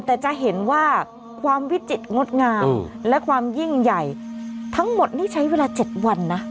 แต่จะเห็นว่าความวิจิตรงดงามและความยิ่งใหญ่ทั้งหมดนี่ใช้เวลา๗วันนะ